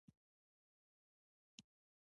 ازادي راډیو د طبیعي پېښې اړوند مرکې کړي.